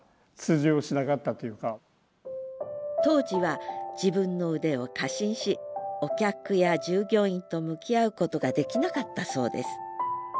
当時は自分の腕を過信しお客や従業員と向き合うことができなかったそうです。